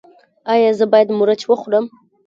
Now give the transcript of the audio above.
ایا زه باید مرچ وخورم؟